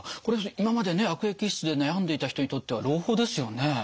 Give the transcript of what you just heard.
これ今までね悪液質で悩んでいた人にとっては朗報ですよね。